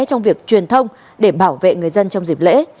trong việc truyền thông để bảo vệ người dân trong dịp lễ